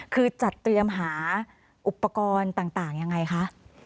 คือจัดเตรียมหาอุปกรณ์ต่างยังไงคะ